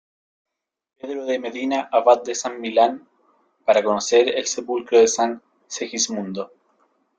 Pedro de Medina, abad de San Millán, para conocer el sepulcro de San Segismundo.